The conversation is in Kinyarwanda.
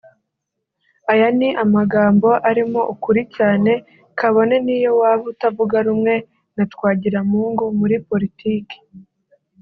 Aya ni amagambo arimo ukuri cyane kabone niyo waba utavuga rumwe na Twagiramungu muri politike